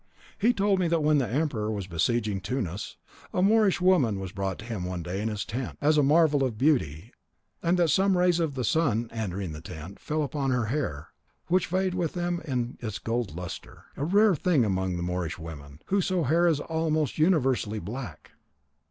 He told me that when the emperor was besieging Tunis, a Moorish woman was brought to him one day in his tent, as a marvel of beauty, and that some rays of the sun, entering the tent, fell upon her hair, which vied with them in its golden lustre; a rare thing among the Moorish women, whoso hair is almost universally black.